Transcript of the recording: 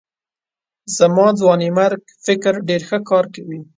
زما ځوانمېرګ فکر ډېر ښه کار کوي.